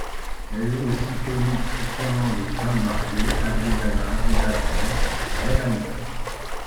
Elle est aussi connue sous son nom de femme mariée, Adriana Villagrán-Reami.